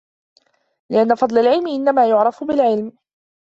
لِأَنَّ فَضْلَ الْعِلْمِ إنَّمَا يُعْرَفُ بِالْعِلْمِ